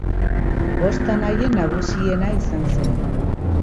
Bost anaien nagusiena izan zen.